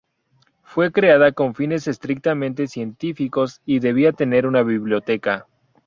Fue creada con fines estrictamente científicos y debía tener una biblioteca.